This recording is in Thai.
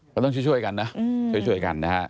ก็ต้องช่วยกันนะช่วยกันนะฮะ